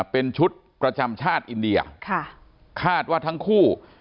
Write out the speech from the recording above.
เป็นชุดประจำชาติอินเดียค่ะคาดว่าทั้งคู่